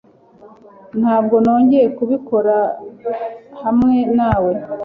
Ntabwo nongeye kubikora hamwe nawe.